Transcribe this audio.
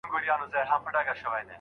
په ځيني موضوعاتو کي زيات تفصيلي ځم.